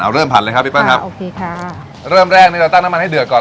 เอาเริ่มผัดเลยครับพี่เปิ้ครับโอเคค่ะเริ่มแรกนี่เราตั้งน้ำมันให้เดือดก่อน